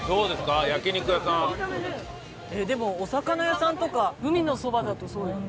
でもお魚屋さんとか海のそばだと。